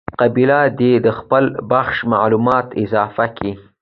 قابله دي د خپل بخش معلومات اضافه کي.